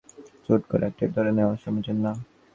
হুট করে একটা কিছু ধরে নেয়া সমীচীন না।